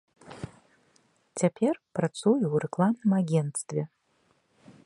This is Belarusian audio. Цяпер працую ў рэкламным агенцтве.